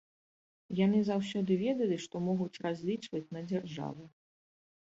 Яны заўсёды ведалі, што могуць разлічваць на дзяржаву.